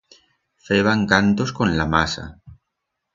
Feban cantos con la masa.